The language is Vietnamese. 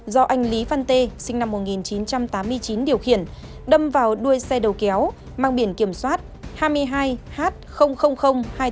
do anh lý văn tê sinh năm một nghìn chín trăm tám mươi chín điều khiển đâm vào đuôi xe đầu kéo mang biển kiểm soát hai mươi hai h hai mươi chín